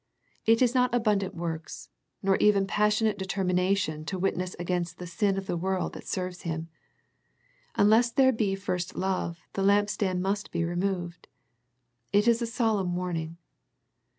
It is not abundant works. 52 A First Century Message nor even a passionate determination to witness against the sin of the world that serves Him. Unless there be first love the lampstand must be removed. It is a solemn warning.